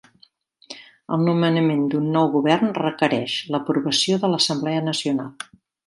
El nomenament d'un nou govern requereix l'aprovació de l'Assemblea Nacional.